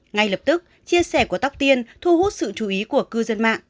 ngay lập tức chia sẻ của tóc tiên thu hút sự chú ý của cư dân mạng